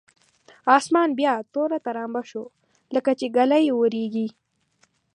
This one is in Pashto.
اسمان بیا توره ترامبه شو لکچې ږلۍ اورېږي.